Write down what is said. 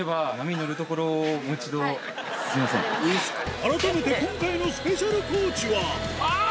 改めて今回のスペシャルコーチはあぁ！